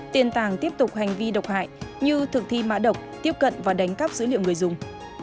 tiền tàng tiếp tục hành vi độc hại như thực thi mã độc tiếp cận và đánh cắp dữ liệu người dùng